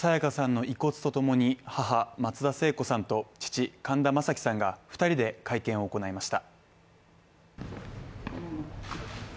沙也加さんの遺骨とともに母・松田聖子さんと父・神田正輝さんが２人で会見を行いました。